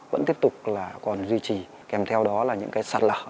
vẫn tiếp tục là còn duy trì kèm theo đó là những cái sạt lở